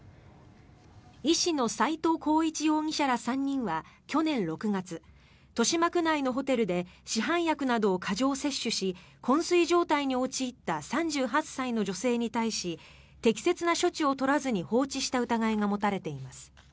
医師の斎藤浩一容疑者ら３人は去年６月豊島区内のホテルで市販薬などを過剰摂取しこん睡状態に陥った３８歳の女性に対し適切な処置を取らずに放置した疑いが持たれています。